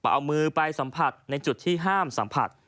เอามือไปสัมผัสในจุดที่ห้ามสัมผัส